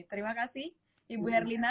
terima kasih ibu herlina